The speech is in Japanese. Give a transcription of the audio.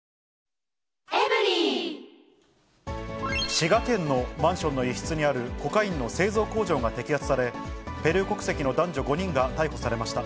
滋賀県のマンションの一室にあるコカインの製造工場が摘発され、ペルー国籍の男女５人が逮捕されました。